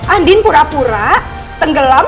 andin pura pura tenggelam